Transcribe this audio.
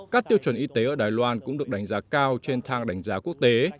các tiêu chuẩn y tế ở đài loan cũng được đánh giá cao trên thang đánh giá quốc tế